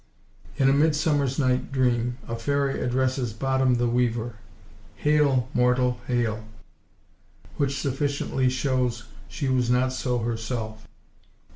In A Midsummer–Night's Dream, a fairy addresses Bottom the weaver— "Hail, mortal, hail!" which sufficiently shows she was not so herself.